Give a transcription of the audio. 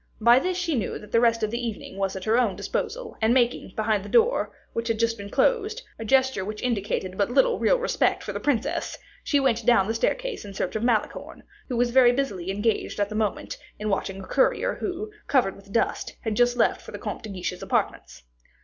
By this she knew that the rest of the evening was at her own disposal; and making, behind the door which had just been closed, a gesture which indicated but little real respect for the princess, she went down the staircase in search of Malicorne, who was very busily engaged at that moment in watching a courier, who, covered with dust, had just left the Comte de Guiche's apartments.